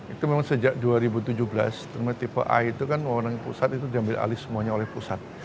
itu memang sejak dua ribu tujuh belas tipe a itu kan wawanan pusat itu diambil alih semuanya oleh pusat